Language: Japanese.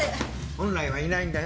本来はいないんだよ？